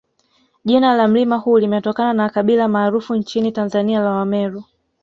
Jina la mlima huu limetokana na kabila maarufu nchini Tanzania la Wameru